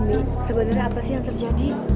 ini sebenarnya apa sih yang terjadi